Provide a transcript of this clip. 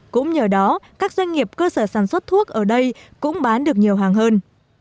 cũng nhờ đó các doanh nghiệp cơ sở sản xuất thuốc ở đây cũng bán được nhiều hàng hơn